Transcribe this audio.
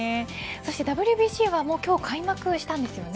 そしてＷＢＣはもう今日開幕したんですよね。